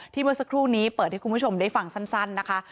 เมื่อสักครู่นี้เปิดให้คุณผู้ชมได้ฟังสั้นนะคะ